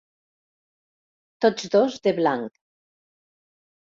Tots dos de blanc.